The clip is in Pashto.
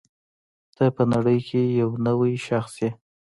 ته په نړۍ کې یو نوی شخص یې.